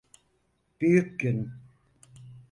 Büyük gün.